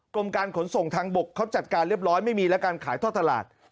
กรมการขนส่งทางบกเขาจัดการเรียบร้อยไม่มีและการขายท่อตลาด